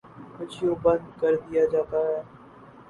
کچھ یوں بند کردیا جاتا ہے